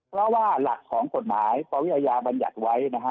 เพราะว่าหลักของกฎหมายปวิอาญาบัญญัติไว้นะฮะ